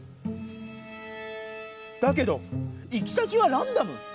だけど行き先はランダム。